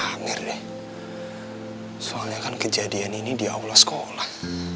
berpaham mirip soalnya kan kejadian ini diaulah sekolah